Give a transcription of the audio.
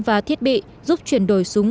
và thiết bị giúp chuyển đổi súng